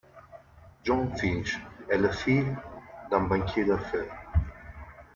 Jon Finch est le fils d'un banquier d'affaires.